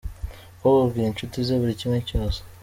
Umukobwa abwira inshuti ze buri kimwe cyose.